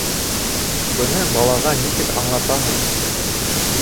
Быны балаға нисек аңлатаһың?